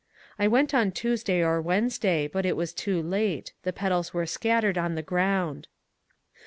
I went on Tuesday or Wednesday, but was too late — the petals were scattered on the ground.